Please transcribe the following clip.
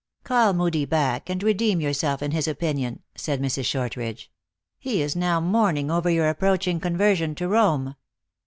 " Call Moodie back, and redeem yourself in his opinion," said Mrs. Shortridge. " He is now mourn ing over your approaching conversion to Home."